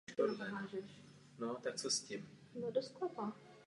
Od tohoto roku jsou zde také vedeny matriky.